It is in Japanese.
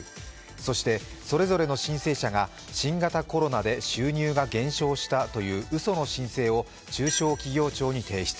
そしてそれぞれの申請者が新型コロナで収入が減少したといううその申請を中小企業庁に提出。